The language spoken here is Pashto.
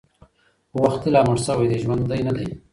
خو وخته لا مړ سوى دی ژوندى نـه دئ